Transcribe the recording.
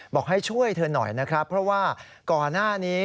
บอกให้ช่วยเธอหน่อยนะครับเพราะว่าก่อนหน้านี้